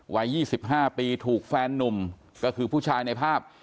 วัย๒๕ปีถูกแฟนนุ่มก็คือผู้ชายในภาพ